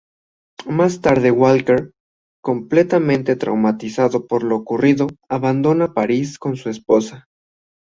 Más tarde Walker, completamente traumatizado por lo ocurrido, abandona París con su esposa.